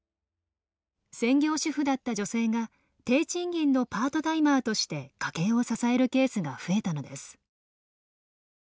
専業主婦だった女性が低賃金のパートタイマーとして家計を支えるケースが増えたのです。